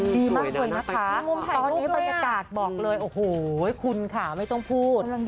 ดีมากเลยนะคะตอนนี้บรรยากาศบอกเลยโอ้โหคุณค่ะไม่ต้องพูด